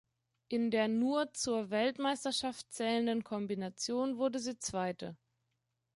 In der nur zur Weltmeisterschaft zählenden Kombination wurde sie Zweite.